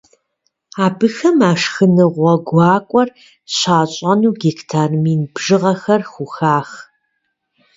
Абыхэм а шхыныгъуэ гуакӏуэр щащӏэну гектар мин бжыгъэхэр хухах.